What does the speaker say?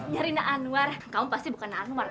nyari na'anuar kamu pasti bukan na'anuar kan